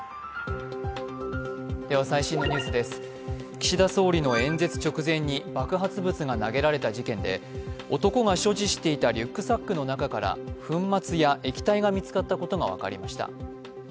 岸田総理の演説直前に爆発物が投げられた事件で男が所持していたリュックサックの中から粉末や液体が見つかったことが分かりました。